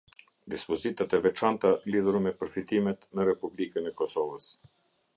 Dispozitat e veçanta lidhur me përfitimet në Republikën e Kosovës.